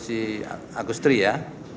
si agustri ya